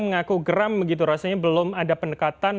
mengaku geram begitu rasanya belum ada pendekatan